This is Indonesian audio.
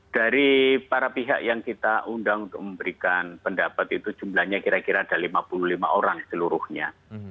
dari para pihak yang kita undang untuk memberikan pendapat itu jumlahnya kira kira ada lima puluh lima orang seluruhnya